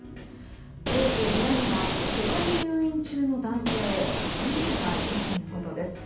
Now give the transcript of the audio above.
当時、部屋には他に入院中の男性３人がいたということです。